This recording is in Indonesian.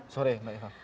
sore mbak irham